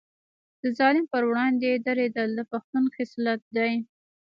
د ظالم پر وړاندې دریدل د پښتون خصلت دی.